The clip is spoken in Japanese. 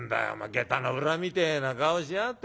げたの裏みてえな顔しやがって。